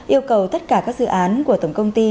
yêu cầu tất cả các dự án của tổng công ty